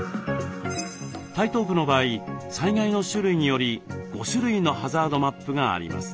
台東区の場合災害の種類により５種類のハザードマップがあります。